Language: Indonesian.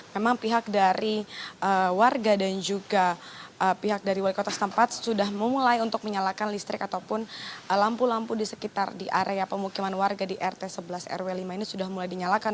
memang pihak dari warga dan juga pihak dari wali kota setempat sudah memulai untuk menyalakan listrik ataupun lampu lampu di sekitar di area pemukiman warga di rt sebelas rw lima ini sudah mulai dinyalakan